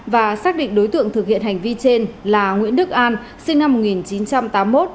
và xác định đối tượng thực hiện hành vi trên là nguyễn đức an sinh năm một nghìn chín trăm tám mươi một